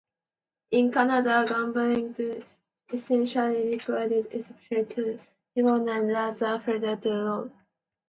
In Canada, gambling is essentially regulated exclusively by the provinces rather than federal law.